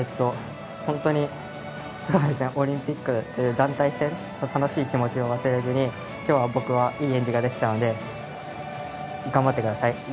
本当にオリンピックという団体戦楽しい気持ちを忘れずに今日は僕はいい演技ができたので頑張ってください。